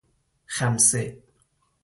خمسه